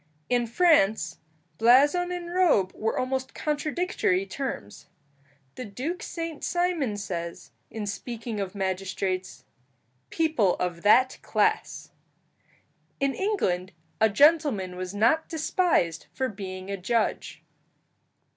In France blazon and robe were almost contradictory terms. The Duke Saint Simon says, in speaking of magistrates, "people of that class." In England a gentleman was not despised for being a judge.